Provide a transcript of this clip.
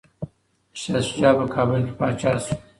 شاه شجاع په کابل کي پاچا شو.